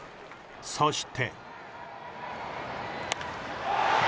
そして。